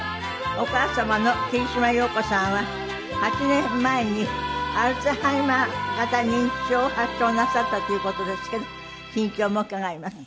お母様の桐島洋子さんは８年前にアルツハイマー型認知症を発症なさったという事ですけど近況も伺います。